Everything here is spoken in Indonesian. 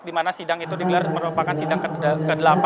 dimana sidang itu merupakan sidang ke delapan